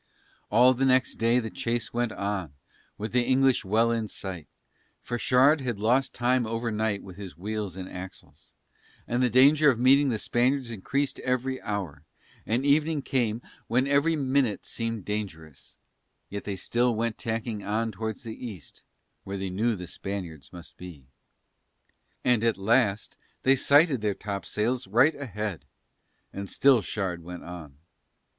All the next day the chase went on with the English well in sight, for Shard had lost time overnight with his wheels and axles, and the danger of meeting the Spaniards increased every hour; and evening came when every minute seemed dangerous, yet they still went tacking on towards the East where they knew the Spaniards must be. And at last they sighted their topsails right ahead, and still Shard went on.